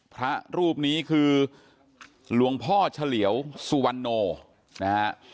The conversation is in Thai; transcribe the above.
พระรูปนี้คือหลวงพ่อเฉลี่ยวสุวรรณโนนะฮะ